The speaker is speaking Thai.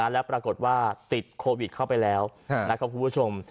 แล้วปรากฏว่าติดโควิดเข้าไปแล้วนะครับคุณผู้ชม